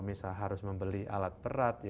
misalnya harus membeli alat perat